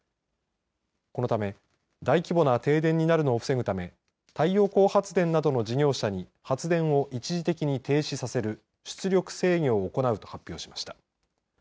このため大規模な停電になるのを防ぐため太陽光発電などの事業者に発電を一時的に停止させる出力制御を行うと発表しました。